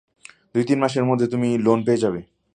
দুই-তিন মাসের মধ্যে তুমি লোন পেয়ে যাবে।